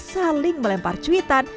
saling melempar cuitan